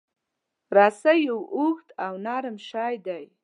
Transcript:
رسۍ یو اوږد او نرم شی دی.